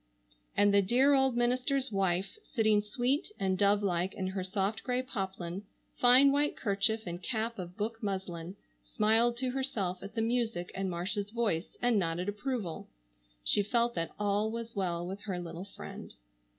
And the dear old minister's wife, sitting sweet and dove like in her soft grey poplin, fine white kerchief, and cap of book muslin, smiled to herself at the music in Marcia's voice and nodded approval. She felt that all was well with her little friend.